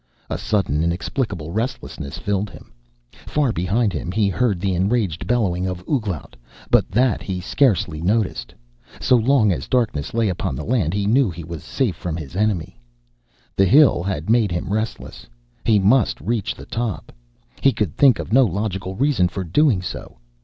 A sudden inexplicable restlessness filled him. Far behind him he heard the enraged bellowing of Ouglat, but that he scarcely noticed. So long as darkness lay upon the land he knew he was safe from his enemy. The hill had made him restless. He must reach the top. He could think of no logical reason for doing so.